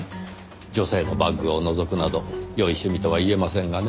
女性のバッグをのぞくなどよい趣味とは言えませんがね。